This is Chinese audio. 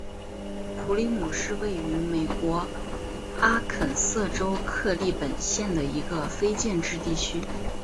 普里姆是位于美国阿肯色州克利本县的一个非建制地区。